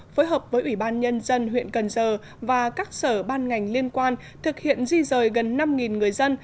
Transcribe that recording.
phối hợp với ủy ban nhân dân huyện cần giờ và các sở ban ngành liên quan thực hiện di rời gần năm người dân